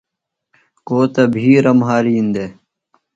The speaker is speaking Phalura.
کو تہ بِھیرہ مھارِین دےۡ۔